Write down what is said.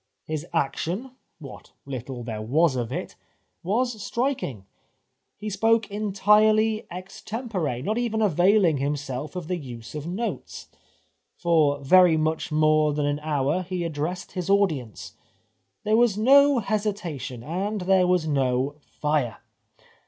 His action — what httle there was of it — was striking. He spoke entirely extempore, not even avaiUng himself of the use of notes. For very much more than an hour he addressed his audience. There was no hesitation, and there was no fire.